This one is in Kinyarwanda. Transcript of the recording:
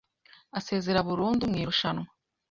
asezera burundu mu irushanwa